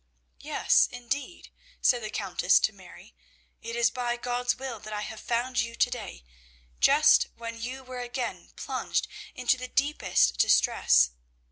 "Yes, indeed," said the Countess to Mary, "it is by God's will that I have found you to day, just when you were again plunged into the deepest distress.